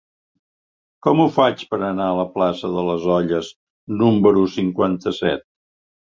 Com ho faig per anar a la plaça de les Olles número cinquanta-set?